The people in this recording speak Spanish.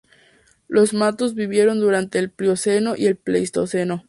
Los mamuts vivieron durante el Plioceno y el Pleistoceno.